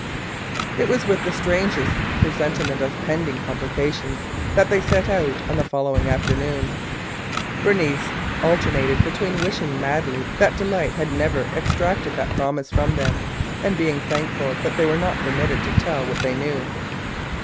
It was with a strange presentiment of pending complications that they set out on the following afternoon. Bernice alternated between wishing madly that Delight had never extracted that promise from them and being thankful that they were not permitted to tell what they knew.